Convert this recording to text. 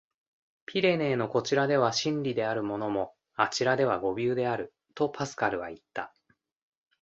「ピレネーのこちらでは真理であるものも、あちらでは誤謬である」、とパスカルはいった。